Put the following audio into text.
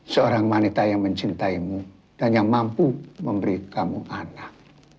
seorang wanita yang mencintaimu dan yang mampu memberi kamu anak